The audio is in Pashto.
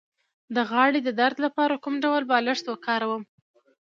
د غاړې د درد لپاره کوم ډول بالښت وکاروم؟